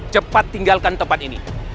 cepat tinggalkan tempat ini